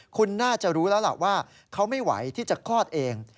คุณน่าจะรู้แล้วล่ะว่าเขาไม่ไหวที่จะคลอดเอง